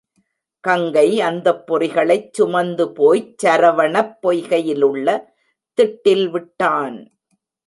கங்கை அந்தப் பொறிகளைச் சுமந்து போய்ச் சரவணப் பொய்கையிலுள்ள திட்டில் விட்டான்.